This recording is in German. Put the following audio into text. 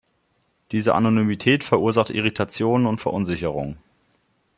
Diese Anonymität verursacht Irritationen und Verunsicherung.